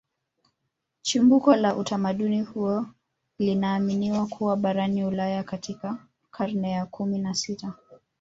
Chimbuko la utamaduni huo linaaminiwa kuwa barani Ulaya katika karne ya kumi na sita